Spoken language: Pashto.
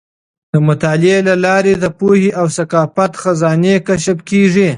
د مطالعې له لارې د پوهې او ثقافت خزانې کشف کیږي.